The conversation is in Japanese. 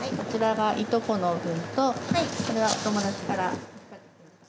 こちらがいとこの分とこれが友達から。